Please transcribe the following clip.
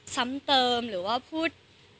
ซ้ำเติมหรือว่าพูด